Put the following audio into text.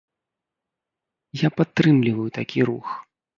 Я падтрымліваю такі рух.